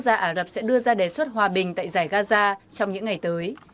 ngoài ra ả rập sẽ đưa ra đề xuất hòa bình tại giải gaza trong những ngày tới